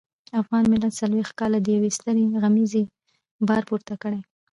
افغان ملت څلويښت کاله د يوې سترې غمیزې بار پورته کړ.